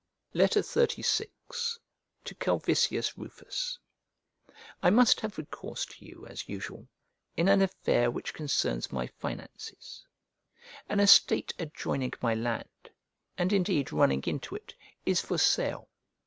XXXVI To CALVISIUS RUFUS I MUST have recourse to you, as usual, in an affair which concerns my finances. An estate adjoining my land, and indeed running into it, is for sale.